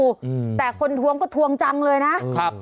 อืมแต่คนทวงก็ทวงจังเลยนะครับ